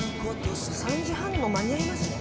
３時半にも間に合いますね。